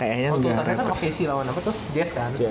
oh tuh tadi itu occhiesi lawan apa tuh jazz kan